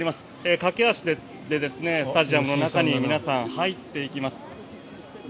駆け足でスタジアムの中に皆さん、入っていきます。